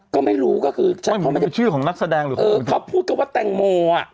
ก็ไม่รู้ก็คือชื่อของนักแสดงหรือเออเค้าพูดก็ว่าแตงโมอ่ะ